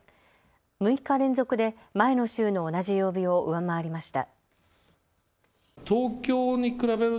６日連続で前の週の同じ曜日を上回りました。